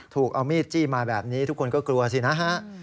ถูกเอามีดจี้มาแบบนี้ทุกคนก็กลัวสินะฮะ